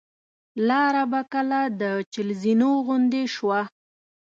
لاره به کله د چهل زینو غوندې شوه.